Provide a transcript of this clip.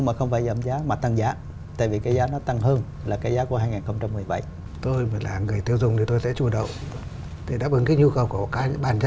so với indonesia và thứ ba